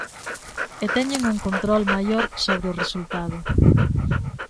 E teñen un control maior sobre o resultado.